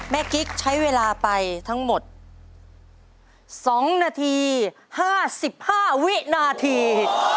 กิ๊กใช้เวลาไปทั้งหมด๒นาที๕๕วินาที